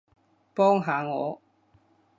幫下我